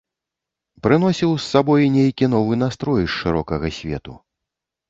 Прыносіў з сабой нейкі новы настрой з шырокага свету.